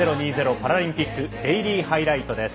パラリンピック・デイリーハイライトです。